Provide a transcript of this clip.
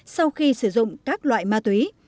sau khi sử dụng các loại ma túy